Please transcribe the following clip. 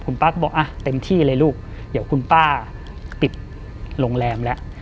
ป้าก็บอกอ่ะเต็มที่เลยลูกเดี๋ยวคุณป้าปิดโรงแรมแล้ว